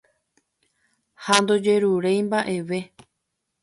Ha ndojeruréi mba'eve